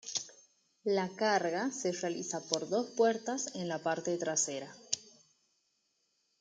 La carga se realiza por dos puertas en la parte trasera.